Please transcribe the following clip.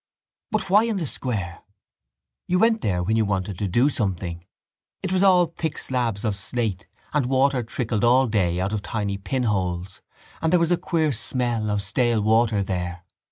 But why in the square? You went there when you wanted to do something. It was all thick slabs of slate and water trickled all day out of tiny pinholes and there was a queer smell of stale water there.